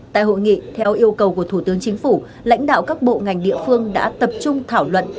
tại hội nghị theo yêu cầu của thủ tướng chính phủ lãnh đạo các bộ ngành địa phương đã tập trung thảo luận